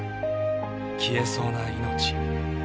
消えそうな命］